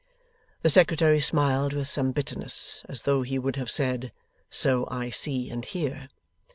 The Secretary smiled with some bitterness, as though he would have said, 'So I see and hear.